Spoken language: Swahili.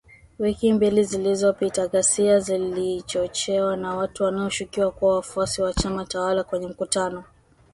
Wiki mbili zilizopita, ghasia zilichochewa na watu wanaoshukiwa kuwa wafuasi wa chama tawala kwenye mkutano